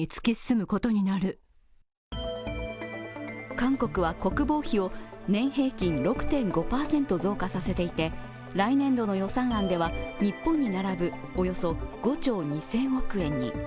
韓国は国防費を年平均６．５％増加させていて来年度の予算案では日本に並ぶおよそ５兆２０００億円に。